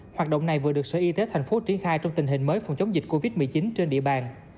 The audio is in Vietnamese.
hoạt động này vừa được sở y tế thành phố triển khai trong tình hình mới phòng chống dịch covid một mươi chín trên địa bàn